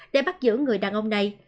để bắt giữ người đàn ông này